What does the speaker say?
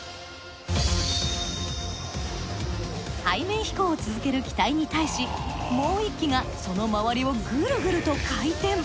背面飛行を続ける機体に対しもう１機がその周りをグルグルと回転。